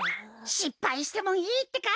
しっぱいしてもいいってか！